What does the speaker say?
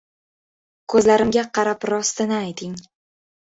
Ko‘zlarimga qarab rostini ayting